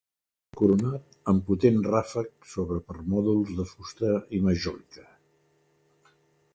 Coronat amb potent ràfec sobre permòdols de fusta i majòlica.